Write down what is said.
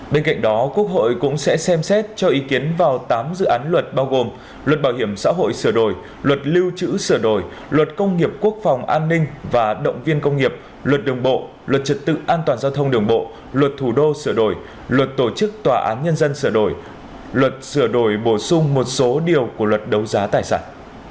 bên cạnh đó quốc hội cũng sẽ xem xét cho ý kiến vào tám dự án luật bao gồm luật bảo hiểm xã hội sửa đổi luật lưu trữ sửa đổi luật công nghiệp quốc phòng an ninh và động viên công nghiệp luật đường bộ luật trật tự an toàn giao thông đường bộ luật thủ đô sửa đổi luật tổ chức tòa án nhân dân sửa đổi luật sửa đổi bổ sung một số điều của luật đấu giá tài sản